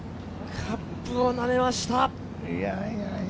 カップをなめました。